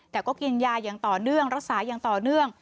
แต่ก็กินยาอย่างต่อเนื่องรักษาอย่างต่อเนื่อง